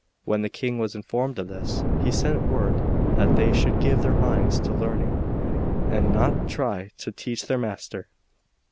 When the King was informed of this, he sent word that they should give their minds to learning, and not try to teach their master.